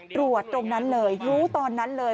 ตรงนั้นเลยรู้ตอนนั้นเลย